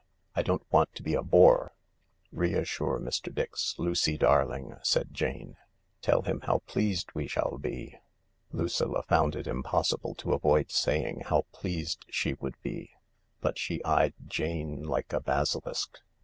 .. I don't want to be a bore." "Reassure Mr. Dix, Lucy darling," said Jane. "Tell him how pleased we shall be." Lucilla found it impossible to avoid saying how pleased she would be — but she eyed Jane like a basilisk.